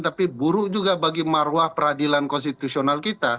tapi buruk juga bagi maruah peradilan konstitusional